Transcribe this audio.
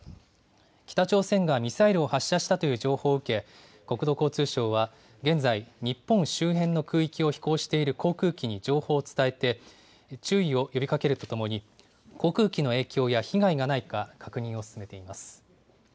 北朝鮮がミサイルを発射したという情報を受け、国土交通省は現在、日本周辺の空域を飛行している航空機に情報を伝えて、注意を呼びかけるとともに、航空機の影響や被害がないか確認を進めています。